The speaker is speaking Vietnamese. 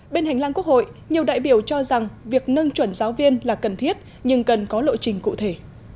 bên hành lang quốc hội nhiều đại biểu cho rằng việc nâng chuẩn giáo viên là cần thiết nhưng cần có lộ trình cụ thể